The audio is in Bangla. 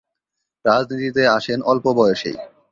রাজনীতিতে আসেন অল্প বয়সেই।